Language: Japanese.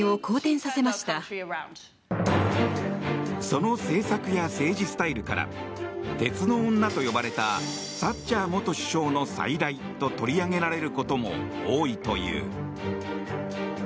その政策や政治スタイルから鉄の女と呼ばれたサッチャー元首相の再来と取り上げられることも多いという。